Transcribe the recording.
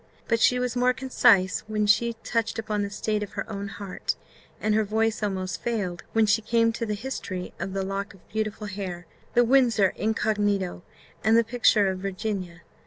But she was more concise when she touched upon the state of her own heart; and her voice almost failed when she came to the history of the lock of beautiful hair, the Windsor incognita, and the picture of Virginia.